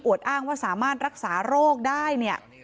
อวดอ้างว่าสามารถรักษาโรคได้